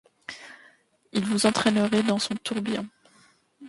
Il vous entraînerait dans son tourbillon!...